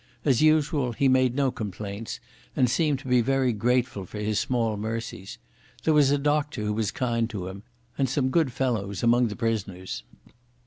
As usual he made no complaints, and seemed to be very grateful for his small mercies. There was a doctor who was kind to him, and some good fellows among the prisoners.